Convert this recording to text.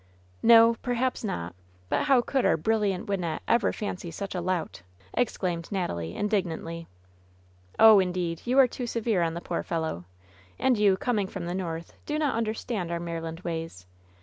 "No, perhaps not ; but how could our brilliant Wyn nette ever fancy such a lout !'* exclaimed Natalie, indig nantly. "Oh, indeed, you are too severe on the poor fellow! And you, coming from the North, do not understand our Maryland ways.